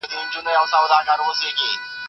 ته ولي کتابونه وړې؟